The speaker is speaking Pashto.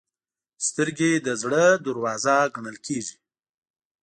سترګې د زړه دروازه ګڼل کېږي